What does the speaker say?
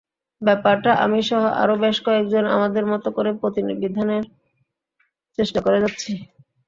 ব্যাপারটা আমিসহ আরও বেশ কয়েকজন আমাদের মতো করে প্রতিবিধানের চেষ্টা করে যাচ্ছি।